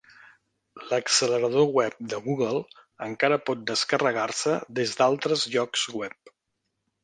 L'accelerador web de Google encara pot descarregar-se des d'altres llocs web.